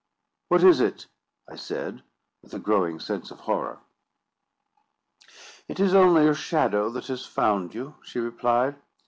"What is it?" I said, with a growing sense of horror. "It is only your shadow that has found you," she replied.